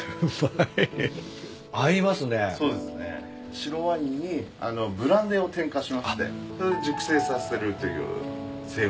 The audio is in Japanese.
白ワインにブランデーを添加しましてそれで熟成させるという製法。